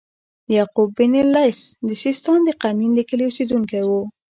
یعقوب بن اللیث د سیستان د قرنین د کلي اوسیدونکی و.